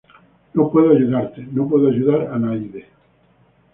No puedo ayudarte. No puedo ayudar a nadie.